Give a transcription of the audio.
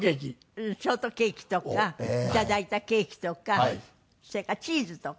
うんショートケーキとかいただいたケーキとかそれからチーズとか。